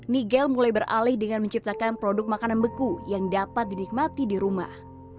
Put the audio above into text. nigel mulai beralih dengan menciptakan produk makanan beku yang dapat dinikmati di rumah